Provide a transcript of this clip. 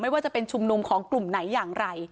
ว่าจะเป็นชุมนุมของกลุ่มไหนอย่างไร